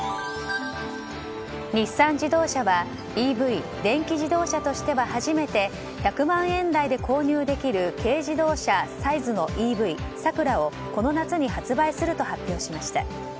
日産自動車はＥＶ電気自動車としては初めて初めて、１００万円台で購入できる軽自動車サイズのＥＶ、サクラをこの夏に発売すると発表しました。